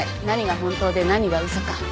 何が本当で何が嘘か。